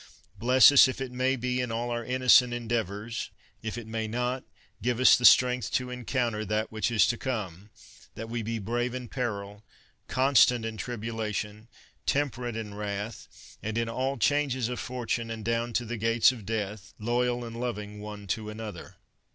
Bless us, if it may be, in all our innocent endeavours. If it may not, give us the strength to encounter that which is to come, that we be brave in peril, constant in tribulation, temperate in wrath, and in all changes of fortune, and down to the gates of death, loyal and loving one to another.'